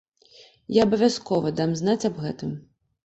Я абавязкова дам знаць аб гэтым.